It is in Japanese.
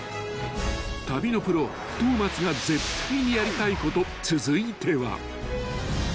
［旅のプロ東松が絶対にやりたいこと続いては］